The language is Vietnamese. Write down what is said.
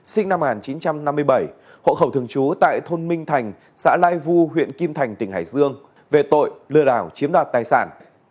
sinh năm một nghìn chín trăm năm mươi bảy hộ khẩu thường trú tại thôn minh thành xã lai vu huyện kim thành tỉnh hải dương về tội lừa đảo chiếm đoạt tài sản